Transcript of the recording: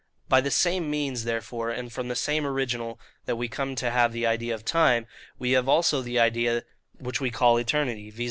By the same means, therefore, and from the same original that we come to have the idea of time, we have also that idea which we call Eternity; viz.